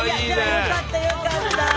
よかったよかった。